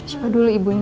siapa dulu ibunya